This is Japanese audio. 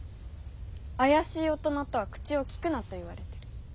怪しい大人とは口をきくなと言われてる。